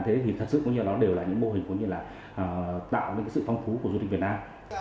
thế thì thật sự nó đều là những mô hình tạo nên sự phong phú của du lịch việt nam